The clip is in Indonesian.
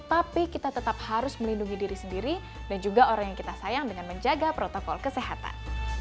tapi kita tetap harus melindungi diri sendiri dan juga orang yang kita sayang dengan menjaga protokol kesehatan